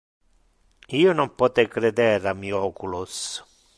Io non pote creder a mi oculos.